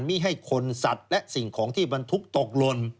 ไม่ให้คนสัตว์และสิ่งของที่บรรทุกตกลน